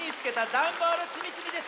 ダンボールつみつみ」でした。